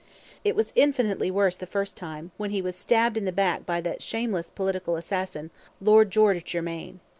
It was infinitely worse the first time, when he was stabbed in the back by that shameless political assassin, Lord George Germain.